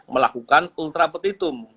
melakukan ultra petitum